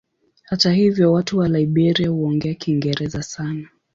Hata hivyo watu wa Liberia huongea Kiingereza sana.